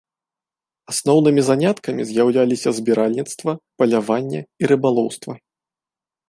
Асноўнымі заняткамі з'яўляліся збіральніцтва, паляванне і рыбалоўства.